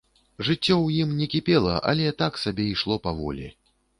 Жыццё ў ім не кіпела, але так сабе ішло паволі.